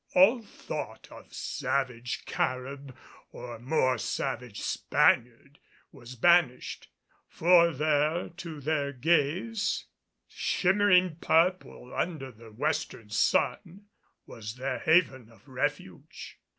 All thought of savage Carib or more savage Spaniard was banished, for there to their gaze, shimmering purple under the western sun, was their haven of refuge.